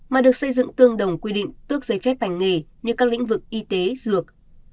mà được xây dựng tương đồng quy định tước giấy phép hành nghề như các lĩnh vực y tế dược